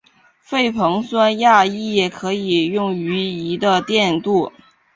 氟硼酸亚锡可以用于锡的电镀。